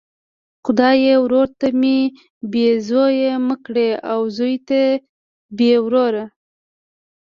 خدایه ورور ته مي بې زویه مه کړې او زوی ته بې وروره!